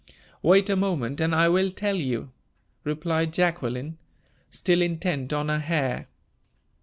"Wait a moment and I will tell you," replied Jacqueline, still intent on her hair.